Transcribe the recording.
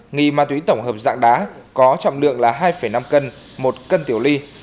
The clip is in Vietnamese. nghi ma túy tổng hợp dạng đá có trọng lượng là hai năm cân một cân tiểu ly